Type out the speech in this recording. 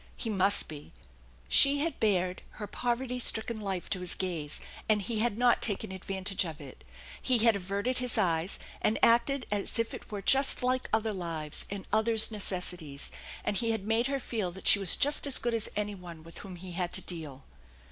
He must be. She had bared her poverty stricken life to his gaze, and he had not taken advantage of it. He had averted his eyes, and acted as if it were just like other lives and others* neces sities ; and he had made her feel that she was just as good as any one with whom he had to deal.